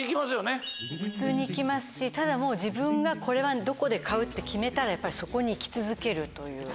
普通に行きますしただ自分がこれはどこで買うって決めたらそこに行き続けるという。